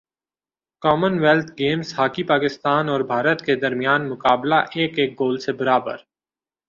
common wealth Games hockey Pakistan اور بھارت کے درمیان مقابلہ ایک ایک گول سے برابر